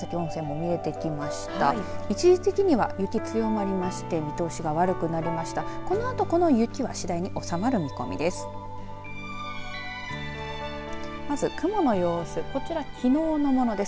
このあと、この雪は次第に収まる見込みです。